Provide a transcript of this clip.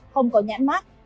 không có nhãn mát